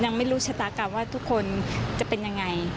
ยังไม่รู้ชะตากรรมว่าทุกคนจะเป็นยังไง